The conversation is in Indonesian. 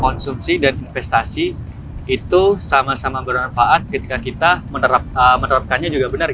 konsumsi dan investasi itu sama sama bermanfaat ketika kita menerapkannya juga benar